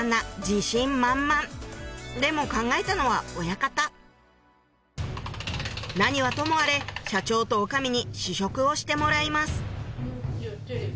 自信満々でも考えたのは親方何はともあれ社長と女将に試食をしてもらいます